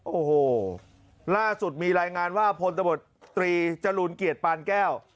โอ้โหล่าสุดมีรายงานว่าพลตมตรีจารูญเกียจปานแก้ว